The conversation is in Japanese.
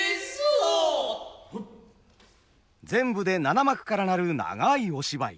全部で七幕から成る長いお芝居。